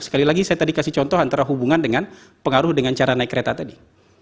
sekali lagi saya tadi kasih contoh antara hubungan dengan pengaruh dengan cara naik kereta tadi